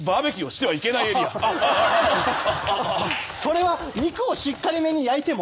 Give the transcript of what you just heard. それは肉をしっかりめに焼いても？